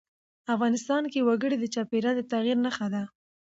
افغانستان کې وګړي د چاپېریال د تغیر نښه ده.